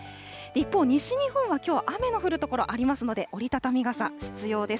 一方、西日本はきょう、雨の降る所ありますので、折り畳み傘、必要です。